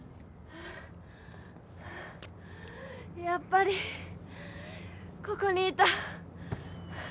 やっぱりここにいた。